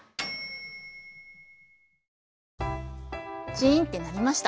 チーンって鳴りました！